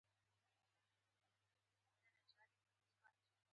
بیا هغه پوهیږي او کار یې په سمه روان دی.